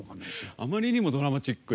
あまりにもドラマチックで。